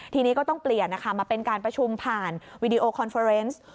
ทีนี้ก็ต้องเปลี่ยนนะคะมาเป็นการประชุมผ่านวีดีโอคอนเฟอร์เนส